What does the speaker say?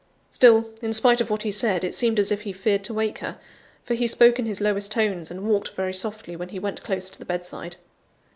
Still, in spite of what he said, it seemed as if he feared to wake her; for he spoke in his lowest tones, and walked very softly when he went close to the bedside.